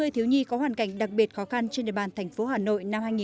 hai mươi thiếu nhi có hoàn cảnh đặc biệt khó khăn trên địa bàn thành phố hà nội